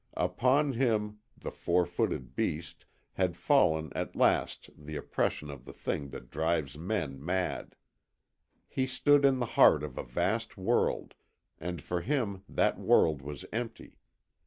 Upon him the four footed beast had fallen at last the oppression of the thing that drives men mad. He stood in the heart of a vast world, and for him that world was empty.